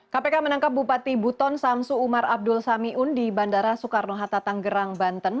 kpk menangkap bupati buton samsu umar abdul samiun di bandara soekarno hatta tanggerang banten